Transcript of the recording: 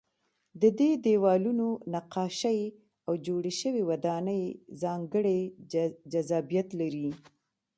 د دې دیوالونو نقاشۍ او جوړې شوې ودانۍ ځانګړی جذابیت لري.